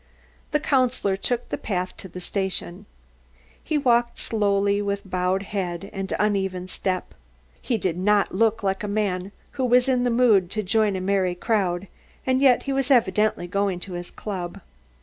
The Councillor took the path to the station. He walked slowly, with bowed head and uneven step. He did not look like a man who was in the mood to join a merry crowd, and yet he was evidently going to his Club.